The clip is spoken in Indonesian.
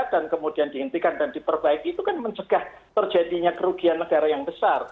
dan kemudian dihentikan dan diperbaiki itu kan mencegah terjadinya kerugian negara yang besar